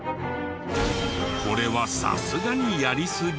これはさすがにやりすぎ？